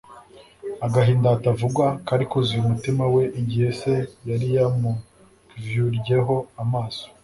agahinda hatavugwa kari kuzuye umutima we igihe Se yari yamukvryeho amaso,